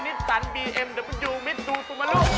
นิสสันบีเอ็มเดอปอร์ยูมิดดูสูบมาลู